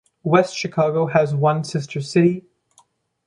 West Chicago has one sister city.